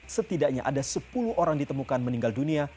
setidaknya ada sepuluh orang ditemukan meninggal dunia